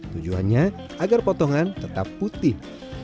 tujuannya agar potongan tetap putih